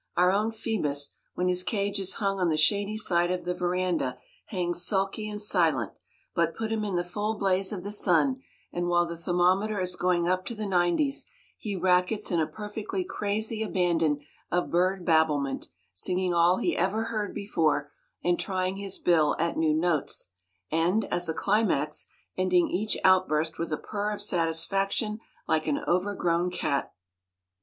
Our own Phoebus, when his cage is hung on the shady side of the veranda, hangs sulky and silent; but put him in the full blaze of the sun, and while the thermometer is going up to the nineties, he rackets in a perfectly crazy abandon of bird babblement, singing all he ever heard before, and trying his bill at new notes, and, as a climax, ending each outburst with a purr of satisfaction like an overgrown cat.